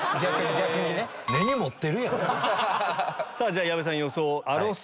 じゃ矢部さん予想。